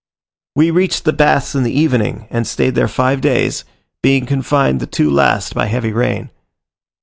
We reached the baths in the evening, and stayed there five days, being confined the two last by heavy rain.